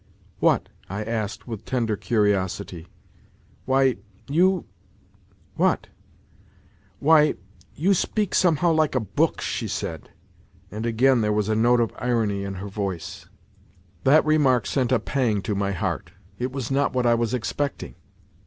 " What ?" I asked, with tender curiosity. " Why, you ..;"" What ?"" Why, you ... speak somehow like a book," she said, and again there was a note of irony in her voice. 128 NOTES FROM UNDERGROUND That remark sent a pang to my heart. It was not what I was expecting.